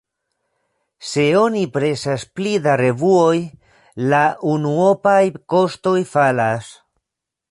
Se oni presas pli da revuoj, la unuopaj kostoj falas.